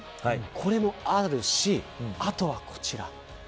これもあるしあとはこちら。